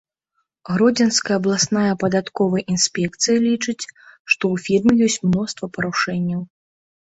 Гродзенская абласная падатковая інспекцыя лічыць, што ў фірме ёсць мноства парушэнняў.